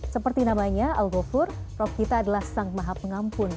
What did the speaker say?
seperti namanya al ghafur rob kita adalah sang maha pengampun